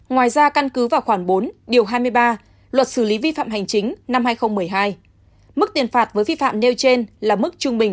ngoài ra căn cứ vào khoảng bốn điều hai mươi ba luật xử lý vi phạm hành chính năm hai nghìn một mươi hai mức tiền phạt với vi phạm nêu trên là mức trung bình